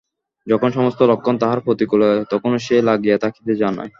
যখন সমস্ত লক্ষণ তাহার প্রতিকূলে তখনো সে লাগিয়া থাকিতে জানে।